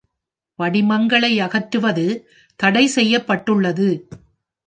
படிமங்களை அகற்றுவது தடை செய்யப்பட்டுள்ளது.